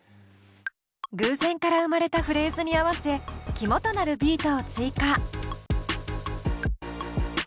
偶然から生まれたフレーズに合わせ肝となるビートを追加。